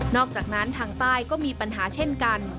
อกจากนั้นทางใต้ก็มีปัญหาเช่นกัน